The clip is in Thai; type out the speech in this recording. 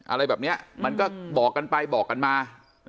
อะไรแบบนี้มันก็บอกกันไปบอกกันมา